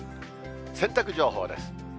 洗濯情報です。